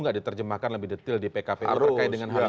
nggak diterjemahkan lebih detail di pkpu terkait dengan hal ini